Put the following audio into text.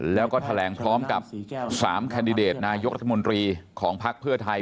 แล้วก็แถลงพร้อมกับ๓แคนดิเดตนายกรัฐมนตรีของภักดิ์เพื่อไทย